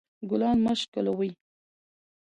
ګلان مه شکولوئ